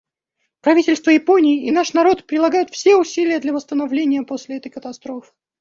Правительство Японии и наш народ прилагают все усилия для восстановления после этой катастрофы.